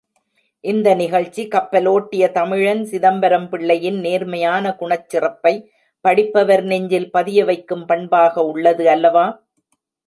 இந்த நிகழ்ச்சி கப்பலோட்டிய தமிழன் சிதம்பரம் பிள்ளையின் நேர்மையான குணச்சிறப்பை படிப்பவர் நெஞ்சில் பதியவைக்கும் பண்பாக உள்ளது அல்லவா?